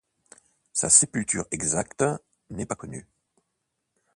Sa sépulture exacte n'est pas connue.